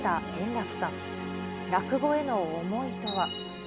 落語への思いとは。